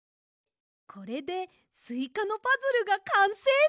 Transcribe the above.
これでスイカのパズルがかんせいです！